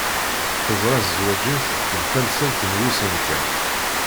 Teẓra zwaǧ-is d tamsalt n wussan kan.